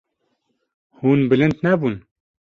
Hûn bilind nebûn.